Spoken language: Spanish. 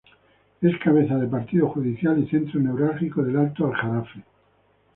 Es cabeza de partido judicial y centro neurálgico del alto Aljarafe.